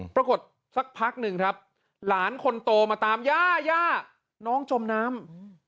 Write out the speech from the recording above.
สักพักหนึ่งครับหลานคนโตมาตามย่าย่าน้องจมน้ำ